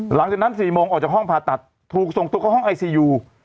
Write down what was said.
หลังจากนั้น๔โมงออกจากห้องผ่าตัดถูกส่งตัวเข้าห้องไอซียู